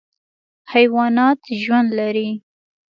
حیوانات ژوند لري.